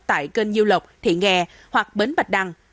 tại kênh nhiêu lộc thị nghè hoặc bến bạch đăng